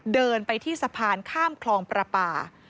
เดินไปที่สะพานข้ามคลองประปา